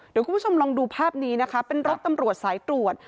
เดี๋ยวคุณผู้ชมลองดูภาพนี้นะคะเป็นรถตำรวจสายตรวจ